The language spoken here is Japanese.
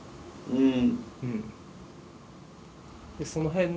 うん。